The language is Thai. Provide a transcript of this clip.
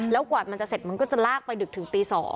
แล้วกว่ามันจะเสร็จมันก็จะลากไปดึกถึงตี๒